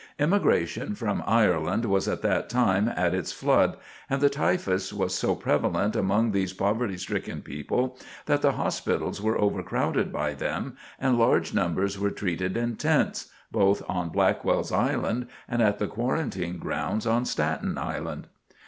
Immigration from Ireland was at that time at its flood and the typhus was so prevalent among these poverty stricken people that the hospitals were overcrowded by them and large numbers were treated in tents, both on Blackwell's Island and at the quarantine grounds on Staten Island.